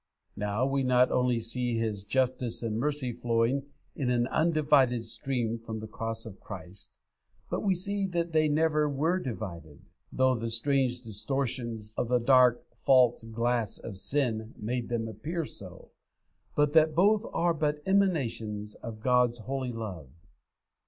Now we not only see His justice and mercy flowing in an undivided stream from the cross of Christ, but we see that they never were divided, though the strange distortions of the dark, false glass of sin made them appear so, but that both are but emanations of God's holy love.